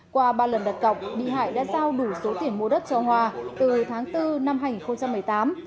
qua ba lần đặt cọc bị hại đã giao đủ số tiền mua đất cho hòa từ tháng bốn năm hai nghìn một mươi tám